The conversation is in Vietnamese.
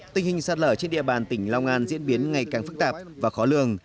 tình hình sạt lở trên địa bàn tỉnh long an diễn biến ngày càng phức tạp và khó lường